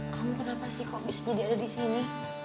kamu kenapa sih kok bisa jadi ada disini